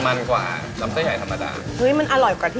ที่ลูกค้าติดใจเยอะมากครับเพราะว่า